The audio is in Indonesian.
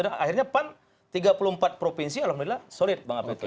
dan akhirnya pan tiga puluh empat provinsi alhamdulillah solid bang alpettor